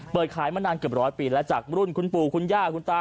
เปิดขายมานานเกือบร้อยปีแล้วจากรุ่นคุณปู่คุณย่าคุณตา